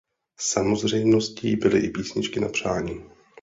Samozřejmostí byly i písničky na přání.